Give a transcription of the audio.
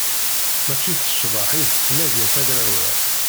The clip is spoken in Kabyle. Mačči s ccḍeḥ i tettmaga tegrawla.